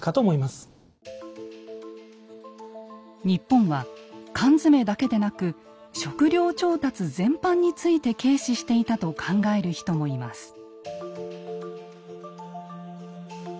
日本は缶詰だけでなく食糧調達全般について軽視していたと考える人もいます。